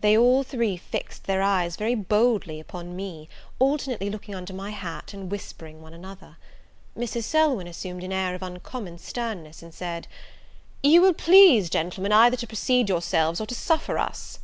They all three fixed their eyes very boldly upon me, alternately looking under my hat, and whispering one another. Mrs. Selwyn assumed an air of uncommon sternness, and said, "You will please, gentlemen, either to proceed yourselves, or to suffer us."